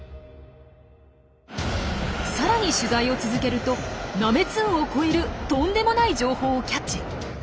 さらに取材を続けるとナメツンを超えるとんでもない情報をキャッチ。